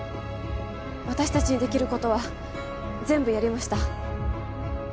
私達にできることは全部やりました